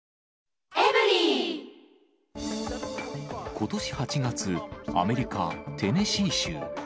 ことし８月、アメリカ・テネシー州。